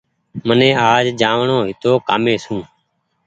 مني آج جآڻو هيتو ڪآمي سون